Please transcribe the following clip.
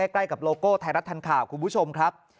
ใกล้กับโลโก้ไทยรัฐทันข่าวคุณผู้ชมครับ